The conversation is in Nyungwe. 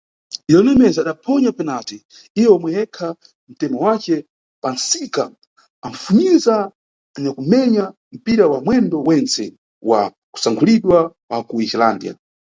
Leonel Messi adaphonya penalty, iye omwe yekha, ntemo wace pansika anfunyiza anyakumenya mpira wa mwendo wentse wa kusankhulidwa wa kuIslândia.